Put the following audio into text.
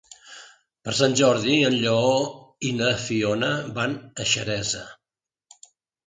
Per Sant Jordi en Lleó i na Fiona van a Xeresa.